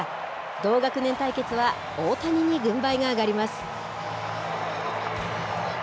同学年対決は大谷に軍配が上がります。